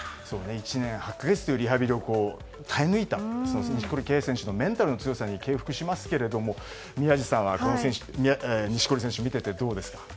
１年８か月というリハビリを耐え抜いたその錦織圭選手のメンタルの強さに敬服しますけれども宮司さんは錦織選手を見ていてどうですか？